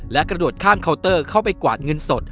และกระโดดข้ามเคาน์เตอร์เข้าไปกวาดเงินสด